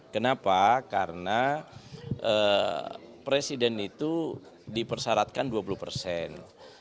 kenapa karena presiden itu dipersyaratkan dua puluh persen